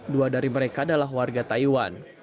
dua dari mereka adalah warga taiwan